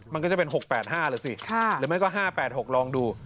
มันก็จะเป็น๖๘๕เลยสิหรือไม่ก็๕๘๖ลองดู